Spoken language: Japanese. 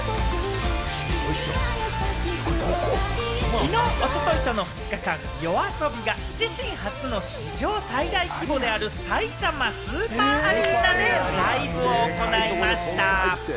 きのう、おとといとの２日間、ＹＯＡＳＯＢＩが自身初の史上最大規模である、さいたまスーパーアリーナでライブを行いました。